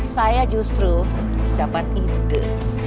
saya justru dapat ide